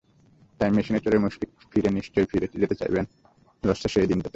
Time মেশিনে চড়ে মুশফিক ফিরে নিশ্চয় ফিরে যেতে চাইবেন লর্ডসের সেই দিনটিতে।